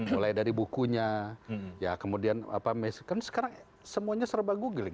mulai dari bukunya ya kemudian kan sekarang semuanya serba googling